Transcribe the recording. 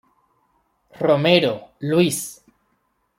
Romero, Luís.